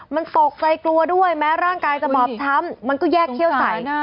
มันตกใจกลัวด้วยแม้ร่างกายจะบอบช้ำมันก็แยกเขี้ยวใส่